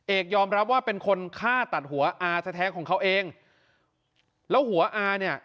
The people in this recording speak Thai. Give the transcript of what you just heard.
เอกยอมรับว่าเป็นคนฆ่าตัดหัวอาแท้ของเขาเองแล้วหัวอาเนี่ย